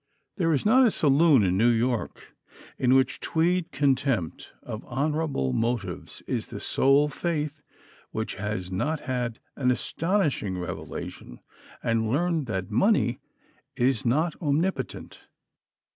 There is not a saloon in New York in which the Tweed contempt of honorable motives is the sole faith which has not had an astounding revelation, and learned that money is not omnipotent.